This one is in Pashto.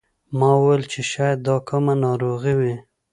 ما وویل چې شاید دا کومه ناروغي وي.